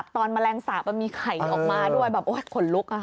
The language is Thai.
ตอนแมลงสาปมีไข่ออกมาด้วยแบบโอ๊ยขนลุกค่ะ